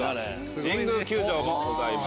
神宮球場もございます。